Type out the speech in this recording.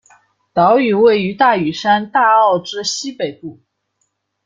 岛屿位于大屿山大澳之西北部。